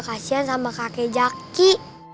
kasian sama kakek jaki